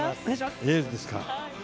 エールですか。